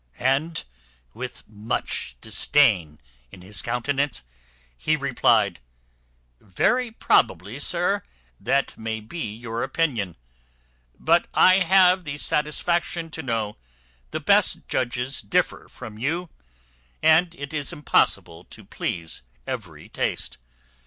And with much disdain in his countenance, he replied, "Very probably, sir, that may be your opinion; but I have the satisfaction to know the best judges differ from you, and it is impossible to please every taste.